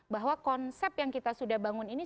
bahwa konsep yang kita sudah bangun ini